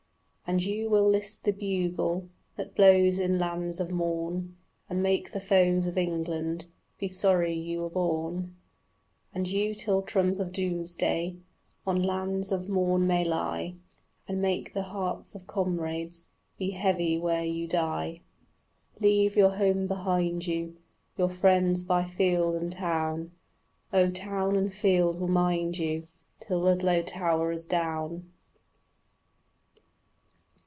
And you will list the bugle That blows in lands of morn, And make the foes of England Be sorry you were born. And you till trump of doomsday On lands of morn may lie, And make the hearts of comrades Be heavy where you die. Leave your home behind you, Your friends by field and town Oh, town and field will mind you Till Ludlow tower is down.